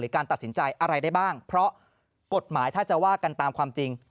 การตัดสินใจอะไรได้บ้างเพราะกฎหมายถ้าจะว่ากันตามความจริง